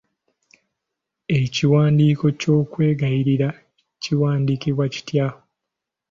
Ekiwandiiko ky'okwegayirira kiwandiikibwa kitya?